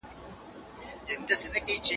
حکومتونه د نړیوال عدالت لپاره څه وړاندیز کوي؟